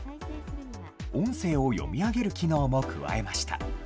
音声を読み上げる機能も加えました。